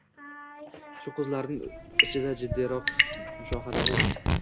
Shu qizlarning ichida jiddiyroq, mushohadali